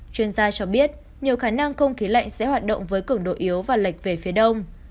chuyên gia cho biết nhiều khả năng không khí lạnh sẽ hoạt động với cứng độ yếu và lệch về phía đông